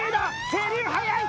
成龍速い！